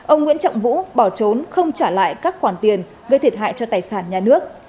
ông nguyễn trọng vũ bỏ trốn không trả lại các khoản tiền gây thiệt hại cho tài sản nhà nước